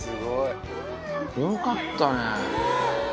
よかったね。